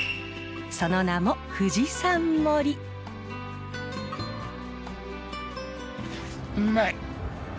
その名もうまい！